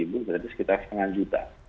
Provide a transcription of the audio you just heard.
berarti sekitar setengah juta